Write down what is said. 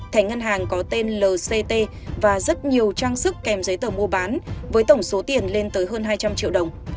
thẻ ngân hàng có tên lct và rất nhiều trang sức kèm giấy tờ mua bán với tổng số tiền lên tới hơn hai trăm linh triệu đồng